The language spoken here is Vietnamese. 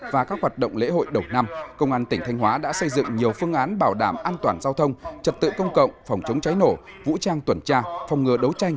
và các hoạt động lễ hội đầu năm công an tỉnh thanh hóa đã xây dựng nhiều phương án bảo đảm an toàn giao thông trật tự công cộng phòng chống cháy nổ vũ trang tuần tra phòng ngừa đấu tranh